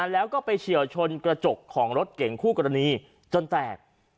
แล้วก็ไปเฉียวชนกระจกของรถเก่งคู่กรณีจนแตก